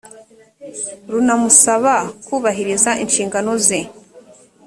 runamusaba kubahiriza inshingano ze